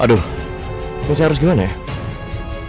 aduh ini saya harus gimana ya